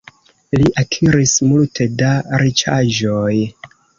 Li akiris multe da riĉaĵoj.